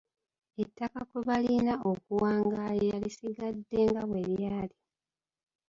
Ettaka kwe balina okuwangaalira lisigadde nga bwe lyali.